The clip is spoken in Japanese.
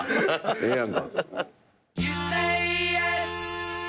ええやんか。